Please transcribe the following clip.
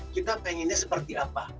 kita pengennya seperti apa